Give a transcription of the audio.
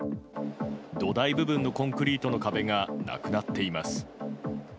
土台部分のコンクリートの壁がなくなっています。